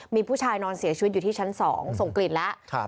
มีผู้ชายนอนเสียชีวิตอยู่ที่ชั้น๒ส่งกลิ่นแล้ว